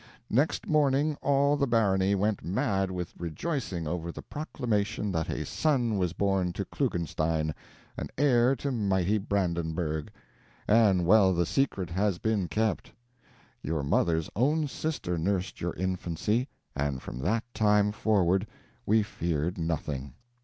Next morning all the barony went mad with rejoicing over the proclamation that a son was born to Klugenstein, an heir to mighty Brandenburgh! And well the secret has been kept. Your mother's own sister nursed your infancy, and from that time forward we feared nothing.